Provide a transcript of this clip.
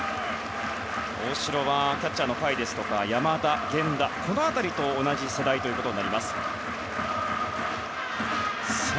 大城は、キャッチャーの甲斐や山田、源田この辺りと同じ世代となります。